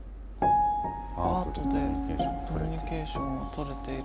「“アート”というコミュニケーションはとれている」。